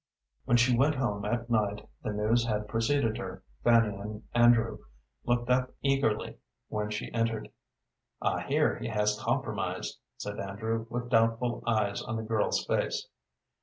When she went home at night the news had preceded her. Fanny and Andrew looked up eagerly when she entered. "I hear he has compromised," said Andrew, with doubtful eyes on the girl's face.